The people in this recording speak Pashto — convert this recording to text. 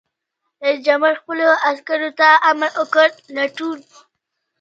رئیس جمهور خپلو عسکرو ته امر وکړ؛ لټون!